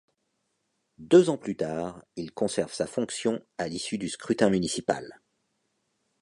Deux ans plus tard, il conserve sa fonction à l'issue du scrutin municipal.